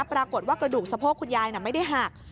ปรากฏว่ากระดูกสะโพกของคุณยายไม่ได้หัก